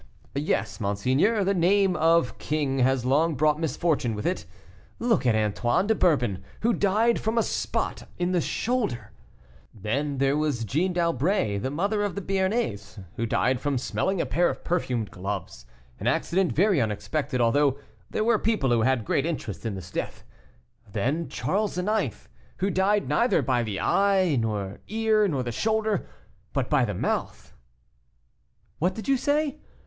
"Yes, monseigneur; the name of king has long brought misfortune with it. Look at Antoine de Bourbon, who died from a spot in the shoulder. Then there was Jeanne d'Albret, the mother of the Béarnais, who died from smelling a pair of perfumed gloves, an accident very unexpected although there were people who had great interest in this death. Then Charles IX., who died neither by the eye, the ear, nor the shoulder, but by the mouth " "What do you say?"